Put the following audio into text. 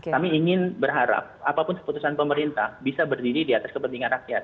kami ingin berharap apapun keputusan pemerintah bisa berdiri di atas kepentingan rakyat